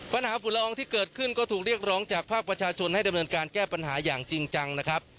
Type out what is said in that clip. ฝุ่นละอองที่เกิดขึ้นก็ถูกเรียกร้องจากภาคประชาชนให้ดำเนินการแก้ปัญหาอย่างจริงจังนะครับ